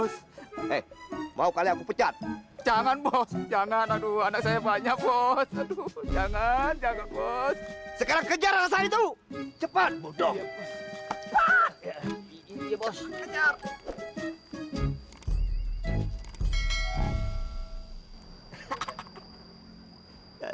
sampai jumpa di video selanjutnya